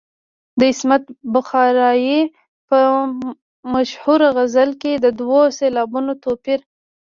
د عصمت بخارايي په مشهور غزل کې د دوو سېلابونو توپیر.